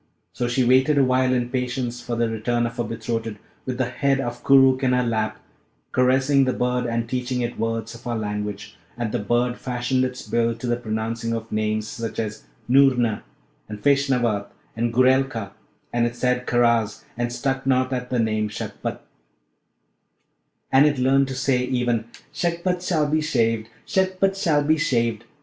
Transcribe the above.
So she waited awhile in patience for the return of her betrothed, with the head of Koorookh in her lap, caressing the bird, and teaching it words of our language; and the bird fashioned its bill to the pronouncing of names, such as 'Noorna' and 'Feshnavat,' and 'Goorelka'; and it said 'Karaz,' and stuck not at the name 'Shagpat,' and it learnt to say even 'Shagpat shall be shaved! Shagpat shall be shaved!'